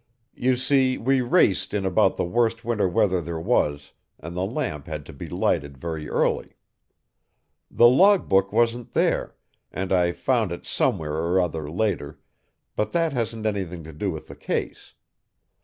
You see we raced in about the worst winter weather there was and the lamp had to be lighted very early. "The log book wasn't there, and I found it somewhere or other later, but that hasn't anything to do with the case.